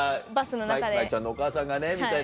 が「茉愛ちゃんのお母さんがね」みたいな。